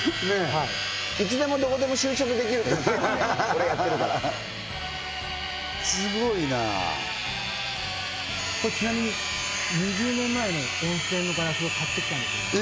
はいいつでもどこでも就職できるこれやってるからすごいなあこれちなみに２０年前の温泉のガラスを買ってきたんですよ